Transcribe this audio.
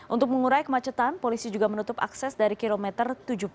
untuk mengurai kemacetan polisi juga menutup akses dari kilometer tujuh puluh